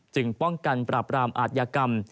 ป้องกันปราบรามอาทยากรรม